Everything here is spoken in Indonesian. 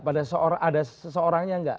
ada seseorangnya enggak